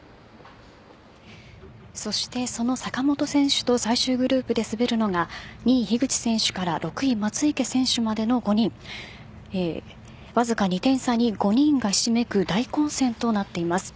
そしてその坂本選手と最終グループで滑るのが２位・樋口選手から６位・松生選手までの５人わずか２点差に５人がひしめく大混戦となっています。